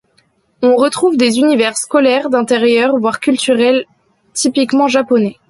On retrouve des univers scolaires, d'intérieurs voire culturels typiquement japonais.